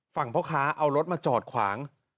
พ่อค้าเอารถมาจอดขวาง